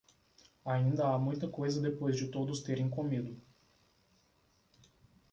Ainda há muita coisa depois de todos terem comido